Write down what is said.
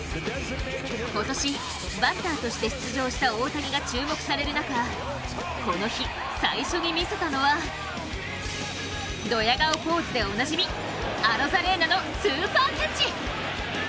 今年、バッターとして出場した大谷が注目される中、この日、最初に見せたのはどや顔ポーズでおなじみアロザレーナのスーパーキャッチ。